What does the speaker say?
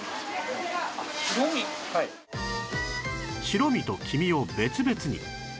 白身と黄身を別々に